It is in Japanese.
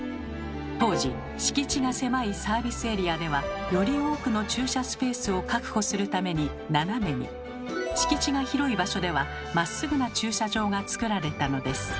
当時敷地が狭いサービスエリアではより多くの駐車スペースを確保するために斜めに敷地が広い場所ではまっすぐな駐車場がつくられたのです。